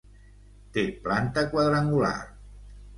Té planta quadrangular.